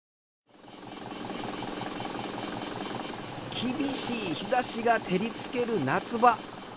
厳しい日差しが照りつける夏場。